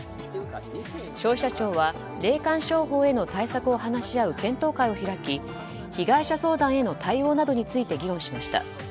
消費者庁は、霊感商法への対策を話し合う検討会を開き被害者相談への対応などについて議論しました。